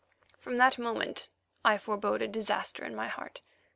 From that moment I foreboded disaster in my heart.